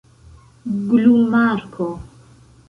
glumarko